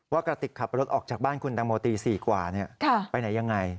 กระติกขับรถออกจากบ้านคุณตังโมตี๔กว่าไปไหนยังไง